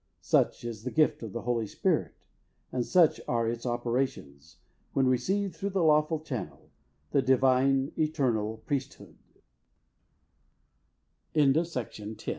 Such is the gift of the Holy Spirit, and such are its operations, when received through the lawful channel the divine, eternal Priesthood. CHAPTER XI.